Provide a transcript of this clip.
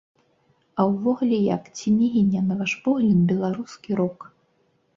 А ўвогуле, як, ці не гіне, на ваш погляд, беларускі рок?